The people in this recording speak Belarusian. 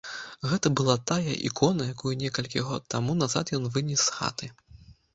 Гэта была тая ікона, якую некалькі год таму назад ён вынес з хаты.